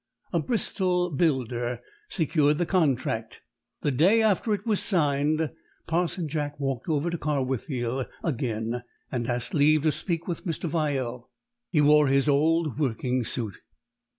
A Bristol builder secured the contract. The day after it was signed Parson Jack walked over to Carwithiel again, and asked leave to speak with Mr. Vyell. He wore his old working suit.